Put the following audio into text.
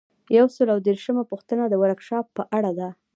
یو سل او دیرشمه پوښتنه د ورکشاپ په اړه ده.